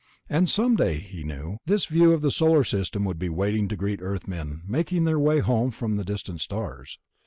And someday, he knew, this view of the Solar System would be waiting to greet Earthmen making their way home from distant stars.